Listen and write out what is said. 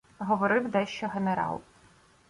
Говорив дещо генерал.